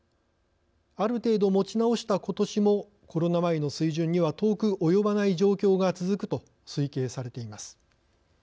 ある程度持ち直したことしもコロナ前の水準には遠く及ばない状況が続くと推計されています。